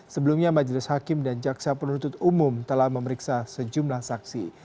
sebelumnya majelis hakim dan jaksa penuntut umum telah memeriksa sejumlah saksi